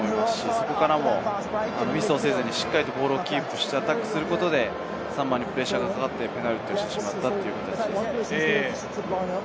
そこからもミスをせずに、しっかりボールをキープしてアタックすることで、サモアにプレッシャーがかかって、ペナルティーをしてしまったということですね。